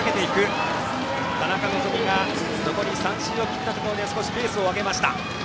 田中希実が残り３周を切ったところでペースを上げました。